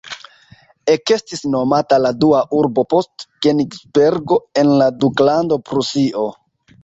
Ekestis nomata la dua urbo post Kenigsbergo en la Duklando Prusio.